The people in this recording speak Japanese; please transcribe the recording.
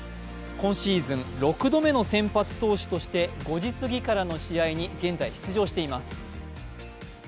今シーズン６度目の先発投手として５時すぎからの試合に現在、出場しています。